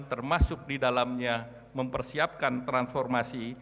termasuk di dalamnya mempersiapkan transformasi